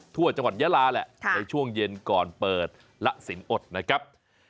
ทั่วจังหวัดยาลาแหละในช่วงเย็นก่อนเปิดละสินอดนะครับ